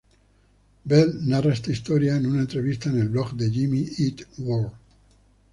Bell narra esta historia en una entrevista en el blog de Jimmy Eat World.